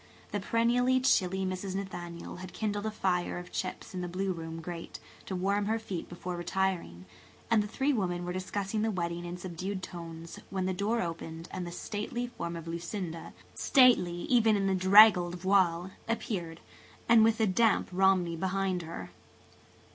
The perennially chilly Mrs. Nathaniel had kindled a fire of chips in the blue room grate to warm her feet before retiring, and the three women were discussing the wedding in subdued tones when the door opened and the stately form of Lucinda, stately even in the draggled voile, appeared, with the damp Romney behind her.